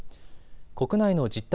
国内の実体